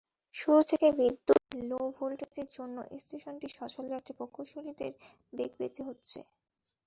শুরু থেকেই বিদ্যুতের লো-ভোল্টেজের জন্য স্টেশনটি সচল রাখতে প্রকৌশলীদের বেগ পেতে হচ্ছে।